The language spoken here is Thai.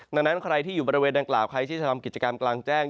ดังนั้นใครที่อยู่บริเวณดังกล่าวใครที่จะทำกิจกรรมกลางแจ้ง